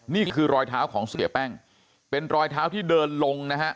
นี่คือรอยเท้าของเสียแป้งเป็นรอยเท้าที่เดินลงนะฮะ